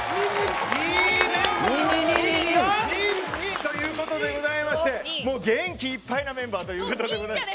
ということでございまして元気いっぱいなメンバーということで。